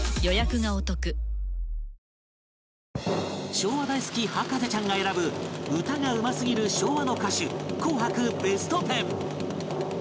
昭和大好き博士ちゃんが選ぶ歌がうますぎる昭和の歌手紅白ベストテン